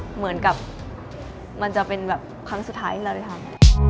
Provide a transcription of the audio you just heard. เหมือนกับมันจะเป็นแบบครั้งสุดท้ายที่เราได้ทำ